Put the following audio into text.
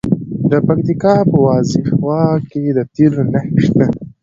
د پکتیکا په وازیخوا کې د تیلو نښې شته.